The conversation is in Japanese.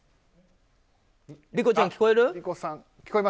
理子ちゃん、聞こえる？